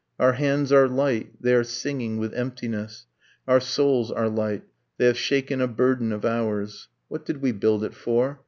Our hands are light, they are singing with emptiness. Our souls are light. They have shaken a burden of hours. ... What did we build it for?